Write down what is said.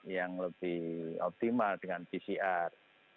yang lebih optimal dengan pcr